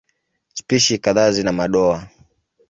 Spishi kadhaa zina madoa.